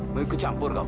mau ikut campur kamu